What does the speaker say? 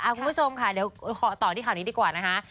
คุณผู้ชมค่ะเดี๋ยวขอต่อที่ข่าวนี้ดีกว่านะคะ